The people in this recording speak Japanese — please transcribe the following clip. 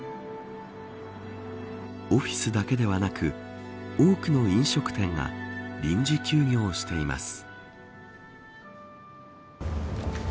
オフィスだけではなく多くの飲食店が臨時休業しています。